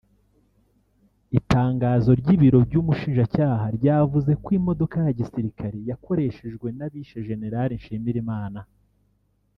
Itangazo ry’Ibiro by’Umushinjacyaha ryavuze ko imodoka ya gisirikare yakoreshejwe n’abishe jenerali Nshimirimana